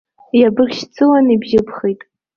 Иабыршьцылан, ибжьыбхит.